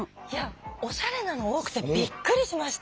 おしゃれなの多くてびっくりしました。